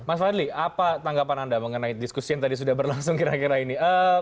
mas fadli apa tanggapan anda mengenai diskusi yang tadi sudah berlangsung kira kira ini